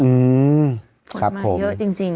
อืมขนมาเยอะจริง